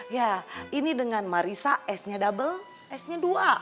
ya ini dengan marissa s nya double s nya dua